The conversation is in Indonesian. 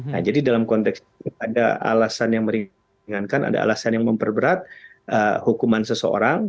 nah jadi dalam konteks ini ada alasan yang meringankan ada alasan yang memperberat hukuman seseorang